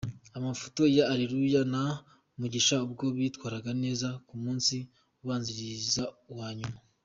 Amafoto ya Areruya na Mugisha ubwo bitwaraga neza ku munsi ubanziriza uwa nyuma.